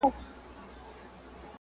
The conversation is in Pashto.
ځیني نور یې له ښځو سره هم